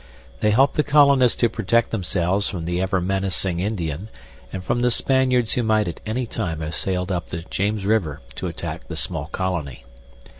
They helped the colonists to protect themselves from the ever menacing Indian and from the Spaniards who might at anytime have sailed up the James River to attack the small colony.